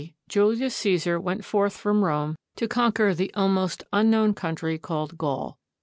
Julius Caesar went forth from Rome to conquer the almost unknown country called Gaul.